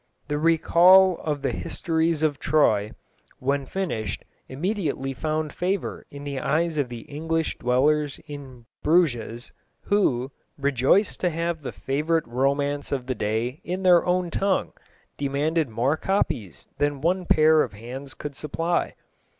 The Recuyell of the Histories of Troye, when finished, immediately found favour in the eyes of the English dwellers in Bruges, who, rejoiced to have the favourite romance of the day in their own tongue, demanded more copies than one pair of hands could supply.